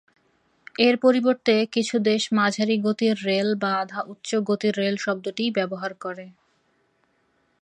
এর পরিবর্তে কিছু দেশ মাঝারি-গতির রেল, বা আধা-উচ্চ গতির রেল শব্দটি ব্যবহার করে।